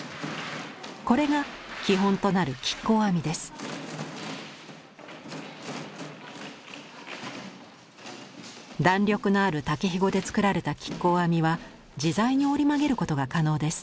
これが基本となる弾力のある竹ひごで作られた亀甲編みは自在に折り曲げることが可能です。